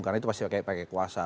karena itu pasti pakai kuasa